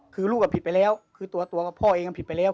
คือลูกผิดไปแล้วคือตัวกับพ่อเองผิดไปแล้ว